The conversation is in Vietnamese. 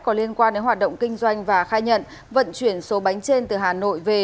có liên quan đến hoạt động kinh doanh và khai nhận vận chuyển số bánh trên từ hà nội về